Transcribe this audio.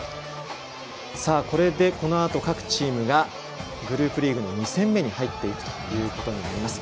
これでこのあと各チームがグループリーグの２戦目に入っていくことになります。